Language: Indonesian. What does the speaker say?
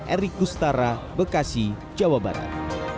erik kustara bekasi jawa barat